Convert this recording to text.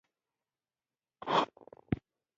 روژه د الهي نعمتونو قدرداني ده.